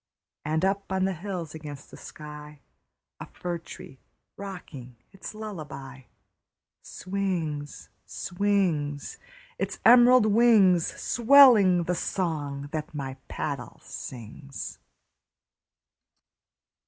And up on the hills against the sky, A fir tree rocking its lullaby, Swings, swings, Its emerald wings, Swelling the song that my paddle sings.